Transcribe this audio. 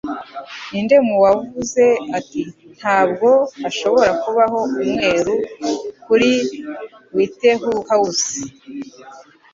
Ninde mu wavuze ati: "Ntabwo hashobora kubaho umweru, kuri Whitehouse"